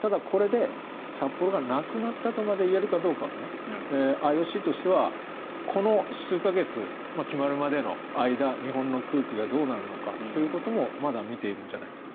ただ、これで札幌がなくなったとまで言えるかどうかはＩＯＣとしてはこの数か月、決まるまでの間日本の空気がどうなるのかということもまだ見てるんじゃないかと。